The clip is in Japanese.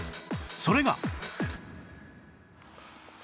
それが